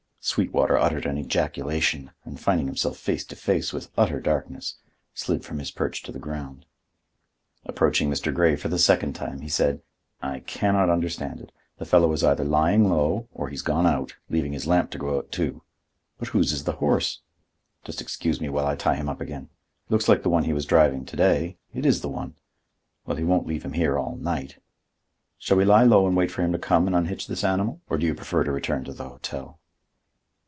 Sweetwater uttered an ejaculation, and, finding himself face to face with utter darkness, slid from his perch to the ground. Approaching Mr. Grey for the second time, he said: "I can not understand it. The fellow is either lying low, or he's gone out, leaving his lamp to go out, too. But whose is the horse—just excuse me while I tie him up again. It looks like the one he was driving to day. It is the one. Well, he won't leave him here all night. Shall we lie low and wait for him to come and unhitch this animal? Or do you prefer to return to the hotel?"